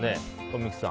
三木さん。